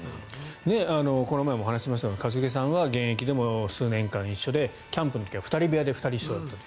この前もお話ししましたが一茂さんは現役でも数年間一緒でキャンプの時は２人部屋で一緒だったと。